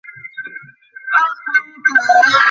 মিয়া ভুরু কুঁচকে বললেন, আজ চলে যাবেন মানে?